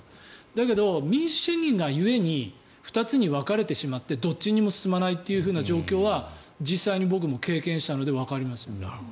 だけど、民主主義が故に２つに分かれてしまってどっちにも進まないという状況は実際に僕も経験したのでわかります。